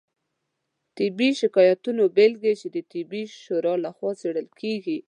طبي شکایتونو بیلګې چې د طبي شورا لخوا څیړل کیږي